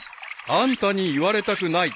［あんたに言われたくない］